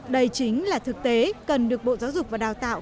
đây chính là thực tế cần được bộ giáo dục và đào tạo